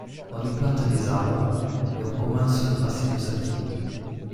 On y plante des arbres et on commence le tracé de sentiers.